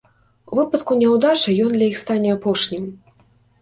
У выпадку няўдачы ён для іх стане апошнім.